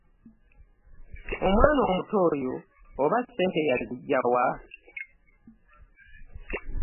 Omwana omuto oyo oba ssente yaziggya wa!